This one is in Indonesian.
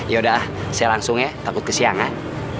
yaudah ah saya langsung ya takut kesiangan